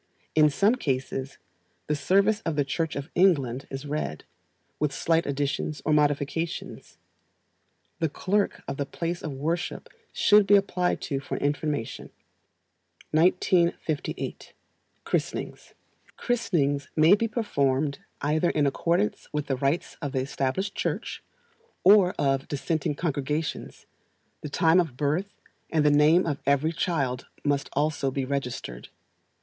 In some cases, the service of the Church of England is read, with slight additions or modifications. The clerk of the place of worship should be applied to for information. 1958. Christenings. Christenings may be performed either in accordance with the rites of the Established Church, or of dissenting congregations; the time of birth, and the name of every child, must also be registered.